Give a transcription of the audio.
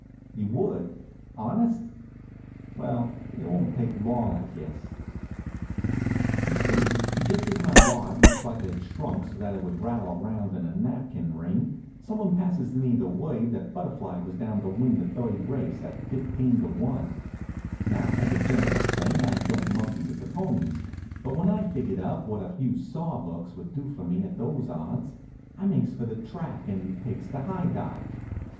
You would? Honest? Well, it won't take long, I guess. You see, just as my wad looks like it had shrunk so that it would rattle around in a napkin ring, someone passes me the word that Butterfly was down to win the third race, at 15 to 1. Now as a general thing I don't monkey with the ponies, but when I figured up what a few saw bucks would do for me at those odds, I makes for the track and takes the high dive.